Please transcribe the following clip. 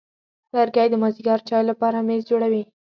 لرګی د مازېګر چای لپاره میز جوړوي.